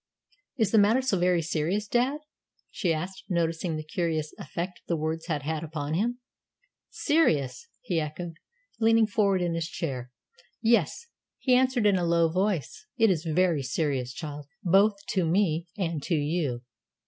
"Is the matter so very serious, dad?" she asked, noticing the curious effect the words had had upon him. "Serious!" he echoed, leaning forward in his chair. "Yes," he answered in a low voice, "it is very serious, child, both to me and to you."